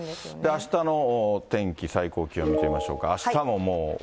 あしたの天気、最高気温見てみましょうか。